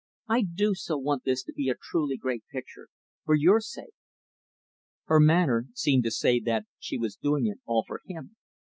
I do so want this to be a truly great picture for your sake." Her manner seemed to say that she was doing it all for him.